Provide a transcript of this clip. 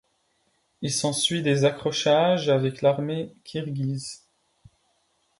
Il s'ensuit des accrochages avec l'armée kirghize.